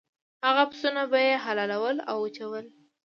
هغه پسونه به یې حلالول او وچول.